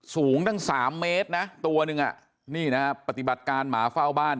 สูงตั้ง๓เมตรนะตัวหนึ่งอ่ะนี่นะปฏิบัติการหมาเฝ้าบ้าน